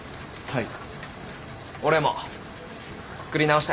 はい。